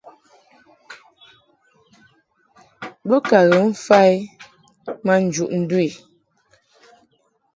Bo ka ghə mfa i ma njuʼ ndu i.